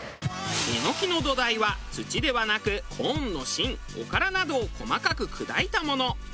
エノキの土台は土ではなくコーンの芯おからなどを細かく砕いたもの。